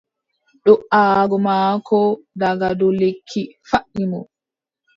Do"aago maako daga dow lekki faɗɗi mo.